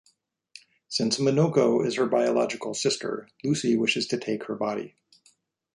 Since Minoko is her biological sister, Lucy wishes to take her body.